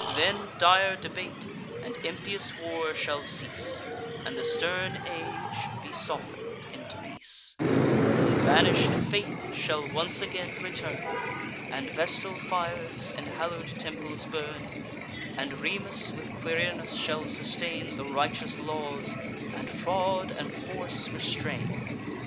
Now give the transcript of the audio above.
Then dire debate and impious war shall cease, And the stern age be soften'd into peace: Then banish'd Faith shall once again return, And Vestal fires in hallow'd temples burn; And Remus with Quirinus shall sustain The righteous laws, and fraud and force restrain.